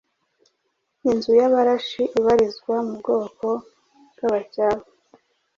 inzu y’Abarashi ibarizwa mu bwoko bw’Abacyaba